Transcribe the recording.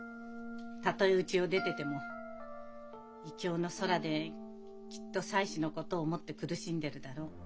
たとえうちを出てても異郷の空できっと妻子のことを思って苦しんでるだろう